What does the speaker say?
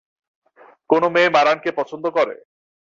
কোনো মেয়ে মারানকে পছন্দ করে?